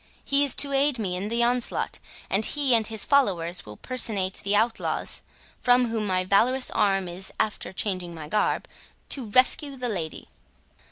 He is to aid me in the onslaught, and he and his followers will personate the outlaws, from whom my valorous arm is, after changing my garb, to rescue the lady."